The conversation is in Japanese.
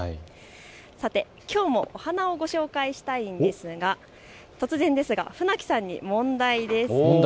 さて、きょうもお花をご紹介したんですが突然ですが、船木さんに問題です。